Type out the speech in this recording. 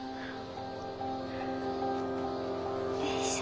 よいしょ。